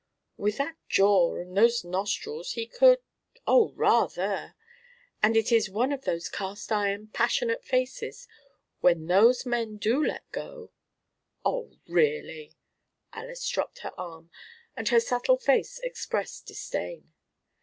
"With that jaw and those nostrils, he could oh, rather! And it is one of those cast iron, passionate faces; when those men do let go " "Oh, really!" Alys dropped her arm, and her subtle face expressed disdain.